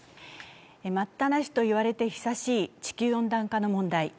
待ったなしと言われて久しい地球温暖化の問題。